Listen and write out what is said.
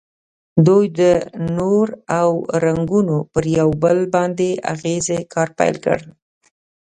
دوی د نور او رنګونو پر یو بل باندې اغیزې کار پیل کړ.